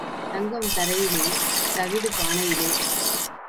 தங்கம் தரையிலே தவிடு பானையிலே.